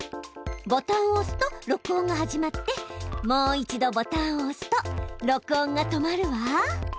ボタンをおすと録音が始まってもう一度ボタンをおすと録音が止まるわ。